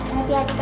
nanti lagi ya